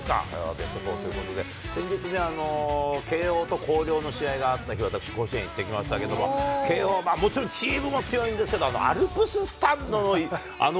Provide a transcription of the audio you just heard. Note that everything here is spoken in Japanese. ベスト４ということで、先日ね、慶応と広陵の試合があって、私、甲子園行ってきましたけど、慶応はもちろんチームも強いんですけど、アルプススタンドのあの